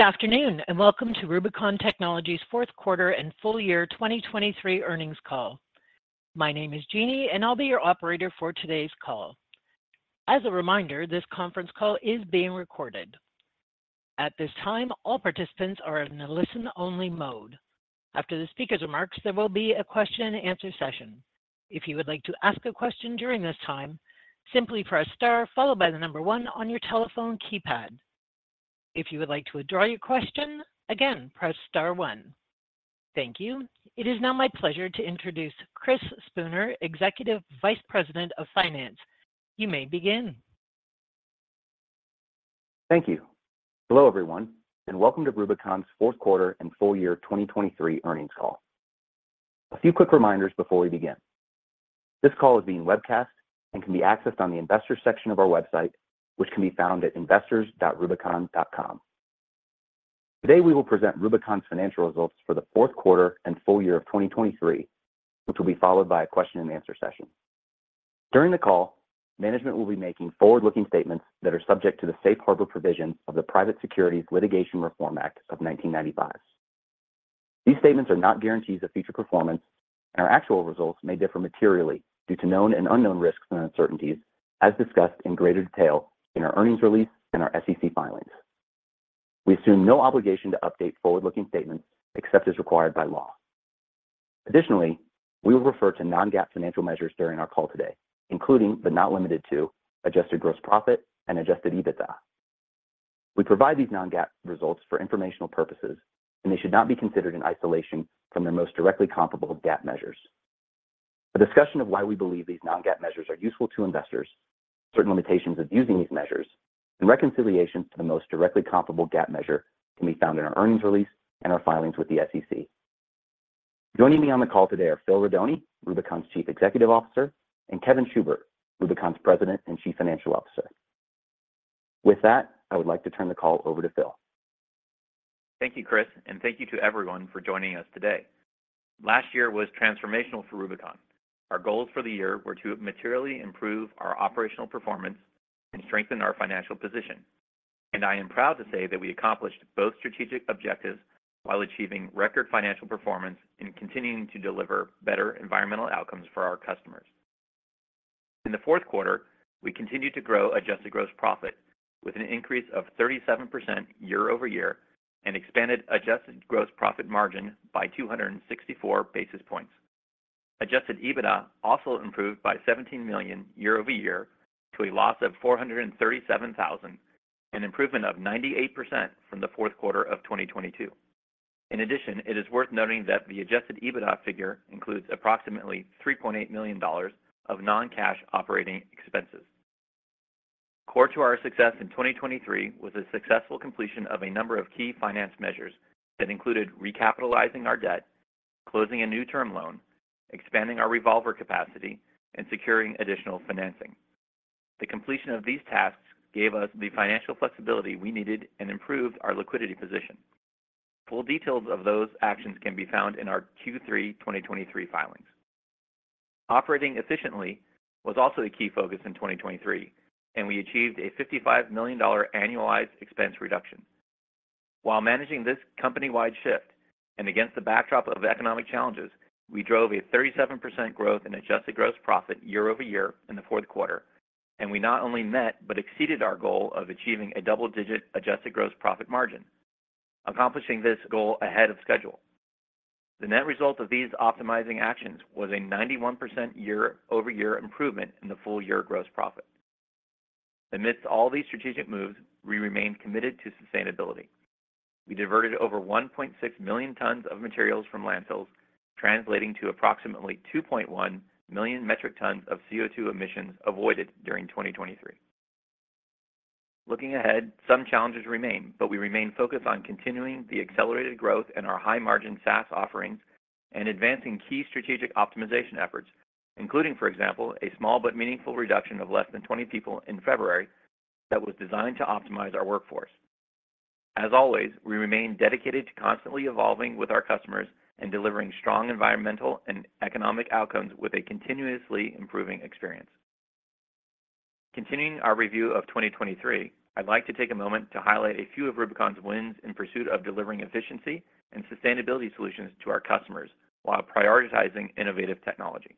Good afternoon and welcome to Rubicon Technologies' fourth quarter and full year 2023 earnings call. My name is Jeanie, and I'll be your operator for today's call. As a reminder, this conference call is being recorded. At this time, all participants are in a listen-only mode. After the speaker's remarks, there will be a question-and-answer session. If you would like to ask a question during this time, simply press star followed by the number one on your telephone keypad. If you would like to address your question, again, press star one. Thank you. It is now my pleasure to introduce Chris Spooner, Executive Vice President of Finance. You may begin. Thank you. Hello everyone, and welcome to Rubicon's fourth quarter and full year 2023 earnings call. A few quick reminders before we begin. This call is being webcast and can be accessed on the investors section of our website, which can be found at investors.rubicon.com. Today we will present Rubicon's financial results for the fourth quarter and full year of 2023, which will be followed by a question-and-answer session. During the call, management will be making forward-looking statements that are subject to the Safe Harbor provisions of the Private Securities Litigation Reform Act of 1995. These statements are not guarantees of future performance and our actual results may differ materially due to known and unknown risks and uncertainties, as discussed in greater detail in our earnings release and our SEC filings. We assume no obligation to update forward-looking statements except as required by law. Additionally, we will refer to non-GAAP financial measures during our call today, including but not limited to adjusted gross profit and adjusted EBITDA. We provide these non-GAAP results for informational purposes, and they should not be considered in isolation from their most directly comparable GAAP measures. A discussion of why we believe these non-GAAP measures are useful to investors, certain limitations of using these measures, and reconciliations to the most directly comparable GAAP measure can be found in our earnings release and our filings with the SEC. Joining me on the call today are Phil Rodoni, Rubicon's Chief Executive Officer, and Kevin Schubert, Rubicon's President and Chief Financial Officer. With that, I would like to turn the call over to Phil. Thank you, Chris, and thank you to everyone for joining us today. Last year was transformational for Rubicon. Our goals for the year were to materially improve our operational performance and strengthen our financial position. I am proud to say that we accomplished both strategic objectives while achieving record financial performance and continuing to deliver better environmental outcomes for our customers. In the fourth quarter, we continued to grow Adjusted Gross Profit with an increase of 37% year-over-year and expanded Adjusted Gross Profit Margin by 264 basis points. Adjusted EBITDA also improved by $17 million year-over-year to a loss of $437,000, an improvement of 98% from the fourth quarter of 2022. In addition, it is worth noting that the Adjusted EBITDA figure includes approximately $3.8 million of non-cash operating expenses. Core to our success in 2023 was the successful completion of a number of key finance measures that included recapitalizing our debt, closing a new term loan, expanding our revolver capacity, and securing additional financing. The completion of these tasks gave us the financial flexibility we needed and improved our liquidity position. Full details of those actions can be found in our Q3 2023 filings. Operating efficiently was also a key focus in 2023, and we achieved a $55 million annualized expense reduction. While managing this company-wide shift and against the backdrop of economic challenges, we drove a 37% growth in adjusted gross profit year-over-year in the fourth quarter, and we not only met but exceeded our goal of achieving a double-digit adjusted gross profit margin, accomplishing this goal ahead of schedule. The net result of these optimizing actions was a 91% year-over-year improvement in the full-year gross profit. Amidst all these strategic moves, we remained committed to sustainability. We diverted over 1.6 million tons of materials from landfills, translating to approximately 2.1 million metric tons of CO2 emissions avoided during 2023. Looking ahead, some challenges remain, but we remain focused on continuing the accelerated growth in our high-margin SaaS offerings and advancing key strategic optimization efforts, including, for example, a small but meaningful reduction of less than 20 people in February that was designed to optimize our workforce. As always, we remain dedicated to constantly evolving with our customers and delivering strong environmental and economic outcomes with a continuously improving experience. Continuing our review of 2023, I'd like to take a moment to highlight a few of Rubicon's wins in pursuit of delivering efficiency and sustainability solutions to our customers while prioritizing innovative technology.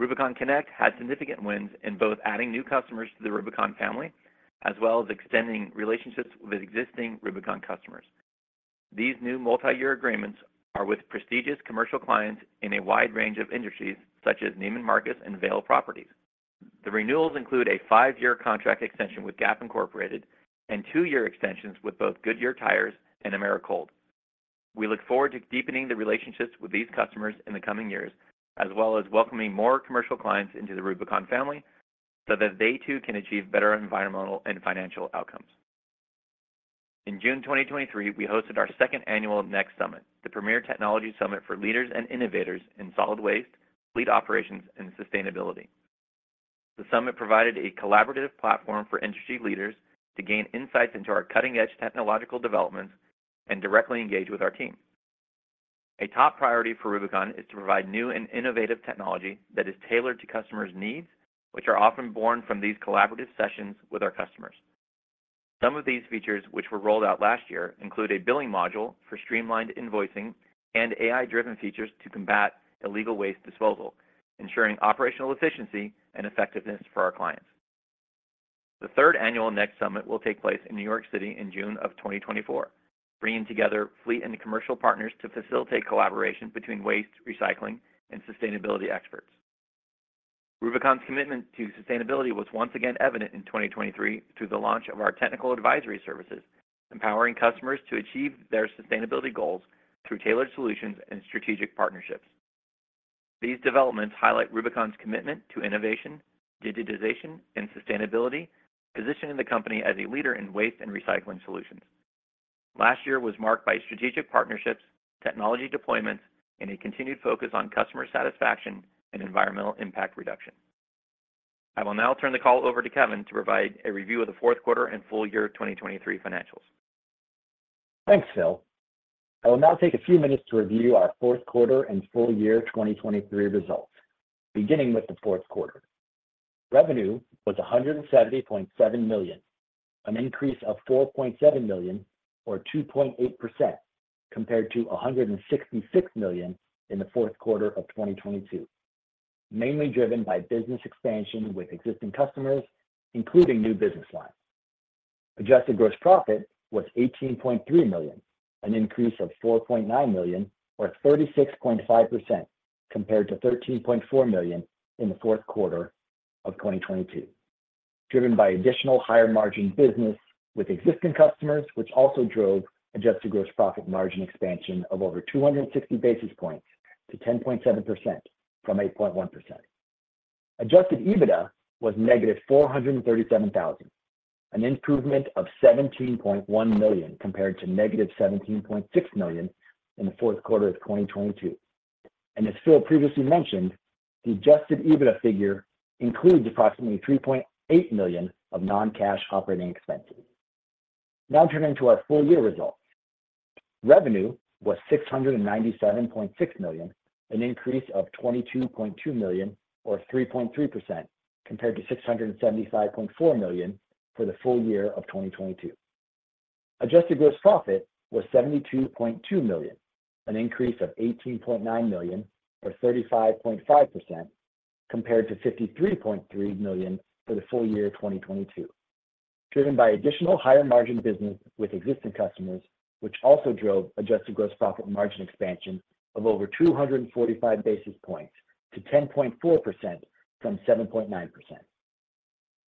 RUBICONConnect had significant wins in both adding new customers to the Rubicon family as well as extending relationships with existing Rubicon customers. These new multi-year agreements are with prestigious commercial clients in a wide range of industries such as Neiman Marcus and Vail Resorts. The renewals include a five-year contract extension with Gap Incorporated and two-year extensions with both Goodyear Tires and Americold. We look forward to deepening the relationships with these customers in the coming years as well as welcoming more commercial clients into the Rubicon family so that they too can achieve better environmental and financial outcomes. In June 2023, we hosted our second annual NEXT Summit, the premier technology summit for leaders and innovators in solid waste, fleet operations, and sustainability. The summit provided a collaborative platform for industry leaders to gain insights into our cutting-edge technological developments and directly engage with our team. A top priority for Rubicon is to provide new and innovative technology that is tailored to customers' needs, which are often born from these collaborative sessions with our customers. Some of these features, which were rolled out last year, include a billing module for streamlined invoicing and AI-driven features to combat illegal waste disposal, ensuring operational efficiency and effectiveness for our clients. The third annual NEXT Summit will take place in New York City in June of 2024, bringing together fleet and commercial partners to facilitate collaboration between waste recycling and sustainability experts. Rubicon's commitment to sustainability was once again evident in 2023 through the launch of our Technical Advisory Services, empowering customers to achieve their sustainability goals through tailored solutions and strategic partnerships. These developments highlight Rubicon's commitment to innovation, digitization, and sustainability, positioning the company as a leader in waste and recycling solutions. Last year was marked by strategic partnerships, technology deployments, and a continued focus on customer satisfaction and environmental impact reduction. I will now turn the call over to Kevin to provide a review of the fourth quarter and full year 2023 financials. Thanks, Phil. I will now take a few minutes to review our fourth quarter and full year 2023 results, beginning with the fourth quarter. Revenue was $170.7 million, an increase of $4.7 million or 2.8% compared to $166 million in the fourth quarter of 2022, mainly driven by business expansion with existing customers, including new business lines. Adjusted Gross Profit was $18.3 million, an increase of $4.9 million or 36.5% compared to $13.4 million in the fourth quarter of 2022, driven by additional higher-margin business with existing customers, which also drove Adjusted Gross Profit margin expansion of over 260 basis points to 10.7% from 8.1%. Adjusted EBITDA was negative $437,000, an improvement of $17.1 million compared to negative $17.6 million in the fourth quarter of 2022. As Phil previously mentioned, the Adjusted EBITDA figure includes approximately $3.8 million of non-cash operating expenses. Now turning to our full year results. Revenue was $697.6 million, an increase of $22.2 million or 3.3% compared to $675.4 million for the full year of 2022. Adjusted gross profit was $72.2 million, an increase of $18.9 million or 35.5% compared to $53.3 million for the full year 2022, driven by additional higher-margin business with existing customers, which also drove adjusted gross profit margin expansion of over 245 basis points to 10.4% from 7.9%.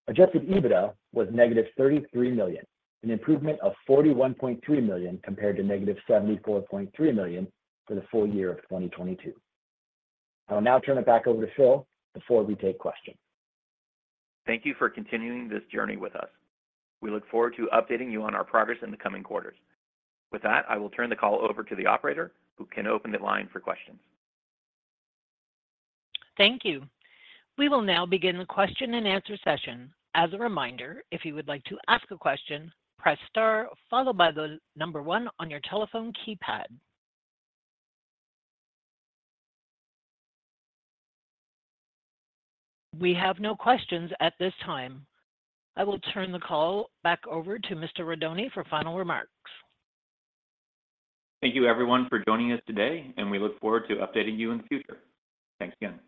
Adjusted EBITDA was -$33 million, an improvement of $41.3 million compared to -$74.3 million for the full year of 2022. I will now turn it back over to Phil before we take questions. Thank you for continuing this journey with us. We look forward to updating you on our progress in the coming quarters. With that, I will turn the call over to the operator, who can open the line for questions. Thank you. We will now begin the question-and-answer session. As a reminder, if you would like to ask a question, press star followed by the number one on your telephone keypad. We have no questions at this time. I will turn the call back over to Mr. Rodoni for final remarks. Thank you, everyone, for joining us today, and we look forward to updating you in the future. Thanks again.